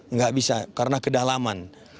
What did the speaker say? nggak bisa karena kedalaman